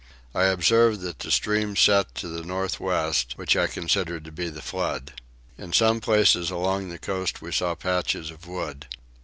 I observed that the stream set to the north west, which I considered to be the flood. In some places along the coast we saw patches of wood.